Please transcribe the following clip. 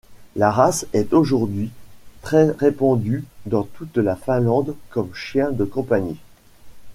La race est aujourd'hui très répandue dans toute la Finlande comme chien de compagnie.